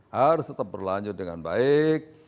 harus tetap berlanjut dengan baik